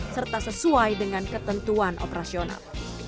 serta sesuai dengan ketentuan operasional